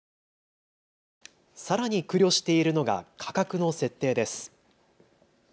さらに苦慮しているのが価格の設定です。